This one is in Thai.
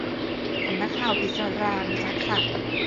สำนักข่าวอิศรามีทักษะ